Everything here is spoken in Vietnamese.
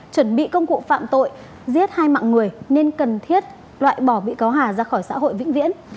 chuẩn bị công cụ phạm tội giết hai mạng người nên cần thiết loại bỏ bị cáo hà ra khỏi xã hội vĩnh viễn